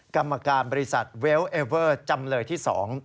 กรรมการบริษัทเวลเอเวอร์จำเลยที่๒